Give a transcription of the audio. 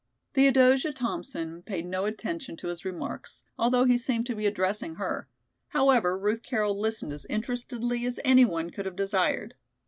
Theodosia Thompson paid no attention to his remarks although he seemed to be addressing her; however Ruth Carroll listened as interestedly as any one could have desired.